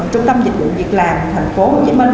trung tâm dịch vụ việc làm tp hcm